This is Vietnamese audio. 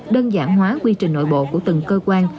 đơn giản hóa quy trình nội bộ của từng cơ quan